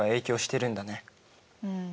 うん。